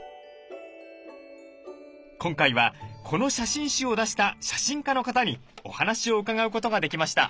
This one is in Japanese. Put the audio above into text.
今回はこの写真集を出した写真家の方にお話を伺うことができました。